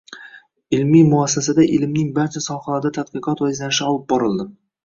Ilmiy muassasada ilmning barcha sohalarida tadqiqot va izlanishlar olib borildi